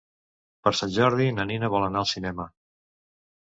Per Sant Jordi na Nina vol anar al cinema.